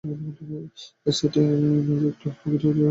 এই সাইটটি তাদের কর্মীদের নির্দিষ্ট প্রক্রিয়ার মাধ্যমে কাজ দিয়ে থাকে।